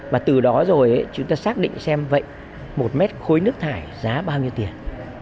và từ đó rồi chúng ta xác định xem vậy một mét khối nước thải giá bao nhiêu tiền